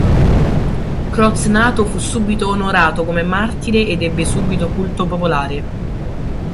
Croznato fu subito onorato come martire ed ebbe subito culto popolare.